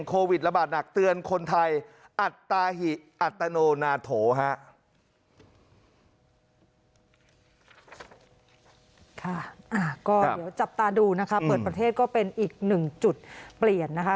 ก็เดี๋ยวจับตาดูนะคะเปิดประเทศก็เป็นอีกหนึ่งจุดเปลี่ยนนะคะ